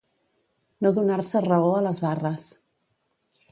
No donar-se raó a les barres.